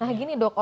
nah gini dok